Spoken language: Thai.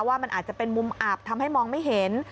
ว่ามันอาจจะเป็นมุมอับทำให้มองไม่เห็น